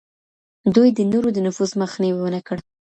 دوی د نورو د نفوذ مخنيوی ونکړ.